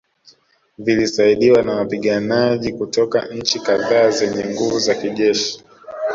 Vilisaidiwa na wapiganaji kutoka nchi kadhaa zenye nguvu za kijeshi